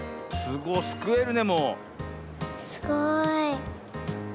すごいね。